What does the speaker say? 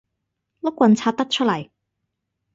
碌棍拆得出嚟